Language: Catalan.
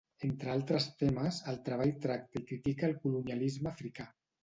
Entre altres temes, el treball tracta i critica el colonialisme africà.